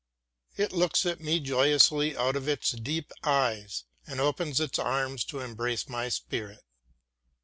It looks at me joyously out of its deep eyes and opens its arms to embrace my spirit.